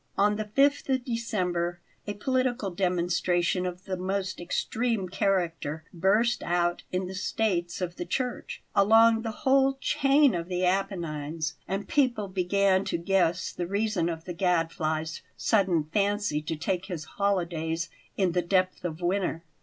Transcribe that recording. On the 5th of December a political demonstration of the most extreme character burst out in the States of the Church, along the whole chain of the Apennines; and people began to guess the reason of the Gadfly's sudden fancy to take his holidays in the depth of winter.